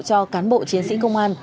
cho cán bộ chiến sĩ công an